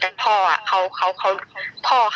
สั่นค่ะทำอะไรไม่ถูก